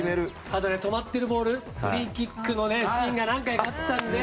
あと止まっているボールフリーキックのシーンが何回かあったので。